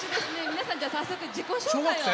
皆さんじゃあ早速自己紹介を。